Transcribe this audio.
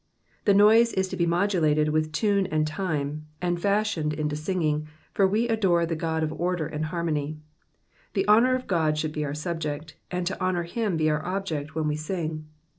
''' The noise is to be modulated with tune and time, and fashioned into singing, for we adore the God of order and harmony. The honour of God should be our subject, and to honour him our object when we sing.